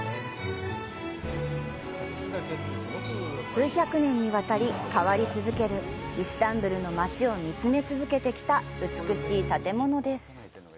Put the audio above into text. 数百年にわたり変わり続けるイスタンブールの街を見つめ続けてきた美しい建物です。